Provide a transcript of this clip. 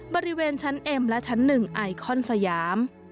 บริเวณชั้นเอ็มและชั้น๑ไอคอนสยาม